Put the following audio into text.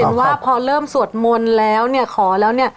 เห็นว่าพอเริ่มสวดม้นแล้วขอแล้ว